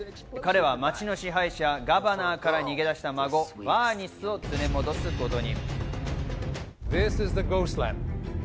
彼は街の支配者ガバナーから逃げ出した孫・バーニスを連れ戻すことに。